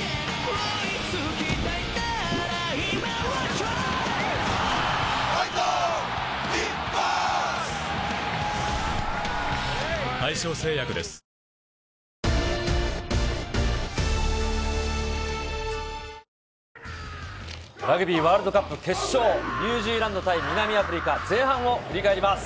ハッハッハッハラグビーワールドカップ決勝、ニュージーランド対南アフリカ、前半を振り返ります。